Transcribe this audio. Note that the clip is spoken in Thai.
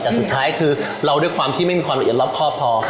แต่สุดท้ายคือเราด้วยความที่ไม่มีความละเอียดรอบครอบพอ